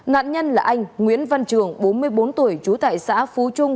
nạn nhân là anh nguyễn văn trường bốn mươi bốn tuổi trú tại xã phú trung